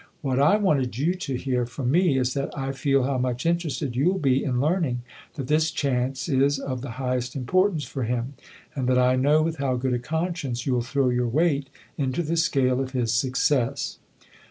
What I wanted you to hear from me is that I feel how much interested you'll be in learning that this chance is of the highest importance for him and that I know with how good a conscience you'll throw your weight into the scale of his success."